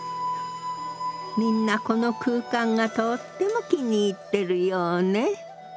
みんなこの空間がとっても気に入ってるようね。